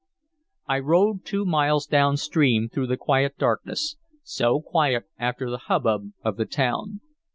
I rowed two miles downstream through the quiet darkness, so quiet after the hubbub of the town.